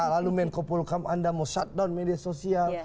lalu main kopul kam anda mau shutdown media sosial